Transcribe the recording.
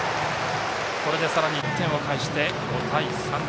これでさらに１点を返して５対３。